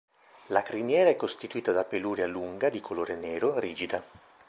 La criniera è costituita da peluria lunga, di colore nero, rigida.